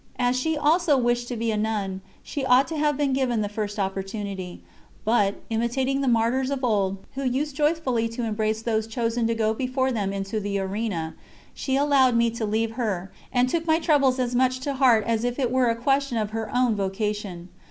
As she also wished to be a nun, she ought to have been given the first opportunity; but, imitating the martyrs of old, who used joyfully to embrace those chosen to go before them into the arena, she allowed me to leave her, and took my troubles as much to heart as if it were a question of her own vocation.